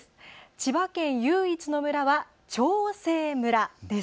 千葉県唯一の村は長生村です。